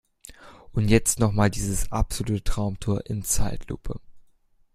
Und jetzt noch mal dieses absolute Traumtor in Zeitlupe!